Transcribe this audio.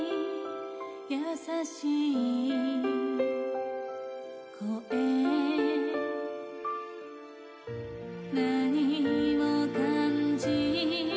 優しい声何を感じ